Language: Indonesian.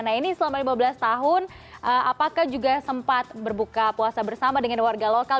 nah ini selama lima belas tahun apakah juga sempat berbuka puasa bersama dengan warga lokal